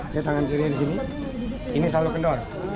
oke tangan dirinya di sini ini selalu kendor